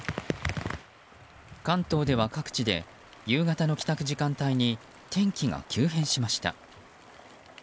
関東では各地で夕方の帰宅時間帯に天気が急変しました。